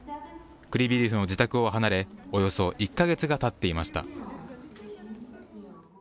クリビリフの自宅を離れ、およそ１か月がたっていました。